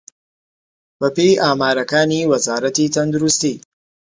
بەپێی ئامارەکانی وەزارەتی تەندروستی